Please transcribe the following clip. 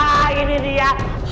ah ini dia